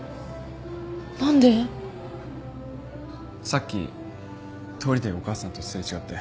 さっき通りでお母さんと擦れ違って。